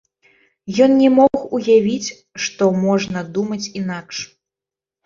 Ён не мог уявіць, што можна думаць інакш.